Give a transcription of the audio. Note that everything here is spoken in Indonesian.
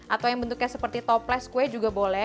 atau yang bentuknya seperti toples kue juga boleh